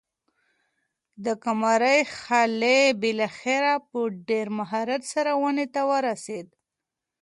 د قمرۍ خلی بالاخره په ډېر مهارت سره ونې ته ورسېد.